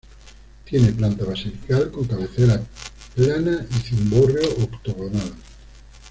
Tiene planta basilical, con cabecera plana y cimborrio octogonal.